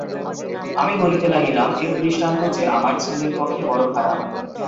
আমি বলিতে লাগিলাম, এর দৃষ্টান্ত যে আমার ছেলের পক্ষে বড়ো খারাপ।